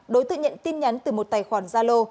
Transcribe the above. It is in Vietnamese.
đối tượng nhận tin nhắn từ một tài khoản gia lô